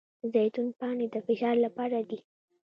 د زیتون پاڼې د فشار لپاره دي.